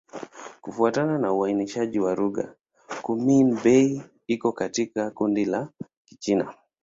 Kufuatana na uainishaji wa lugha, Kimin-Bei iko katika kundi la Kichina.